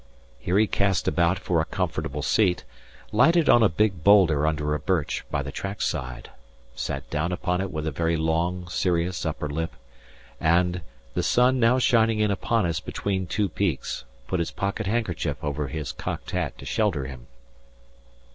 Here he cast about for a comfortable seat, lighted on a big boulder under a birch by the trackside, sate down upon it with a very long, serious upper lip, and the sun now shining in upon us between two peaks, put his pocket handkerchief over his cocked hat to shelter him.